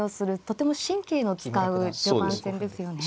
とても神経の使う序盤戦ですよね。